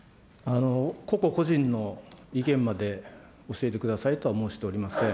個々個人の意見まで教えてくださいとは申しておりません。